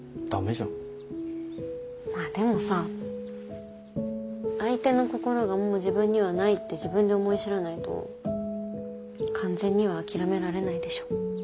まあでもさ相手の心がもう自分にはないって自分で思い知らないと完全には諦められないでしょ？